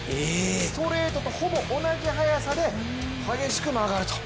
ストレートとほぼ同じ速さで激しく曲がると。